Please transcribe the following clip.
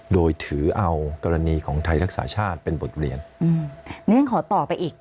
โดยถือเอากรณีของไทยรักษาชาติเป็นบทเรียนอืมนี่ฉันขอต่อไปอีก